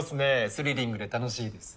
スリリングで楽しいです。